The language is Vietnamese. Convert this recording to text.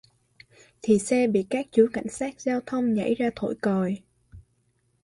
thì xe bị các chú cảnh sát giao thông nhảy ra thổi còi